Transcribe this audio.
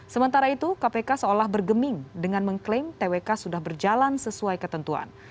sementara itu kpk seolah bergeming dengan mengklaim twk sudah berjalan sesuai ketentuan